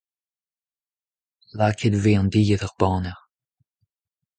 Lakaet e vez an dilhad er baner.